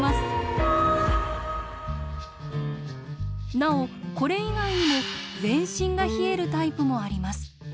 なおこれ以外にも全身が冷えるタイプもあります。